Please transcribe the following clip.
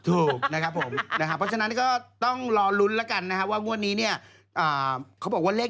ถูกนะครับผมเพราะฉะนั้นก็ต้องรอรุนแล้วกันนะฮะว่าวนอย่างนี้มีเลขเด็ดมายอมาก